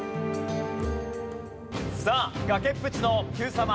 さあ崖っぷちのＱさま！！